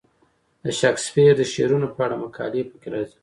د شکسپیر د شعرونو په اړه مقالې پکې راځي.